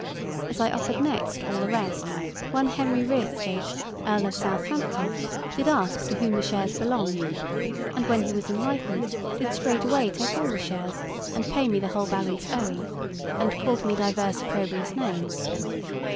As I offered next all the rest, one Henry Wriothsley, Earl of Southampton, did ask to whom the shares belonged, and when he was enlightened, did straightway take all the shares and pay me the whole balance owing, and called me divers opprobrious names.